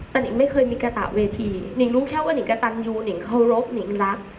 แต่หนึ่งไม่เคยมีกะตาเวทีหนึ่งรู้แค่ว่าหนึ่งกะตันยูหนึ่งเคารพหนึ่งรัก